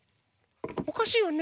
おかしいわね。